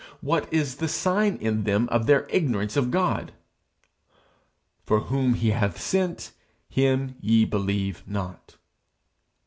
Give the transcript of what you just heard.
What is the sign in them of their ignorance of God? For whom he hath sent, him ye believe not.'